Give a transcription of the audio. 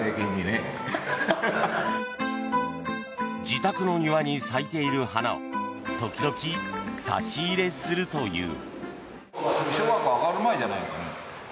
自宅の庭に咲いている花を時々差し入れするという。